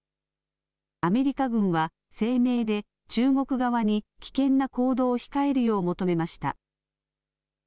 アメリカ軍は声明で中国側に危険な行動を控えるよう求めました。